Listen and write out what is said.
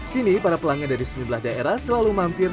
kini para pelanggan dari sejumlah daerah selalu mampir